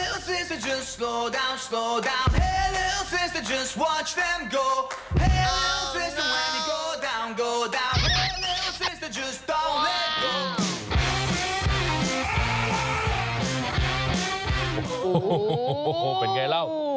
โอ้โฮเป็นอย่างไรแล้ว